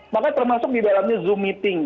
maka termasuk di dalamnya zoom meeting